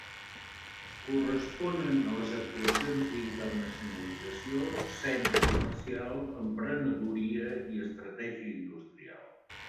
Corresponen a les actuacions d'internacionalització, cens comercial, emprenedoria i estratègia industrial.